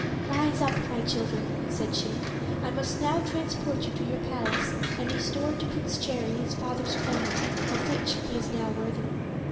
"Rise up, my children," said she; "I must now transport you to your palace and restore to Prince Cherry his father's crown, of which he is now worthy."